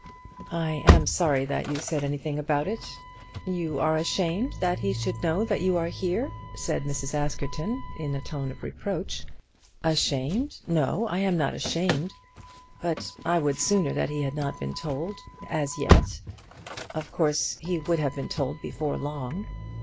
"I am sorry that you said anything about it." "You are ashamed that he should know that you are here," said Mrs. Askerton, in a tone of reproach. "Ashamed! No; I am not ashamed. But I would sooner that he had not been told, as yet. Of course he would have been told before long."